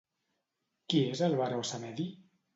Qui és el Baró Samedi?